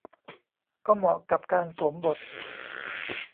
ก็เหมาะกับการสวมบท